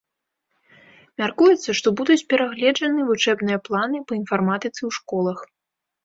Мяркуецца, што будуць перагледжаны вучэбныя планы па інфарматыцы ў школах.